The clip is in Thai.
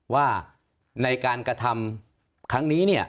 ว่าในการกระทำครั้งนี้